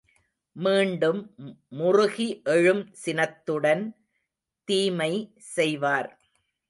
மீண்டும் முறுகி எழும் சினத்துடன் தீமை செய்வார்.